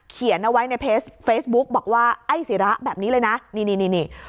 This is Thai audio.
เขียนเอาไว้ในเพจเฟซบุ๊กบอกว่าไอ้ศิระแบบนี้เลยนะนี่นี่นี่